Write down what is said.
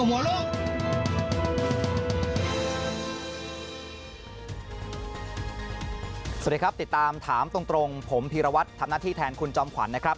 สวัสดีครับติดตามถามตรงผมพีรวัตรทำหน้าที่แทนคุณจอมขวัญนะครับ